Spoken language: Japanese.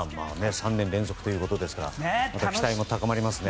３年連続ということですから期待も高まりますね。